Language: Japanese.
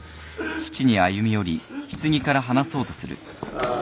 ああ。